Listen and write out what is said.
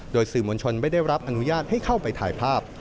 โดยสื่อมวลชนไม่ได้รับอนุญาตให้เข้าไปถ่ายภาพ